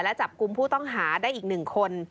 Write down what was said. และจับกลุ่มผู้ต้องหาได้อีก๑คน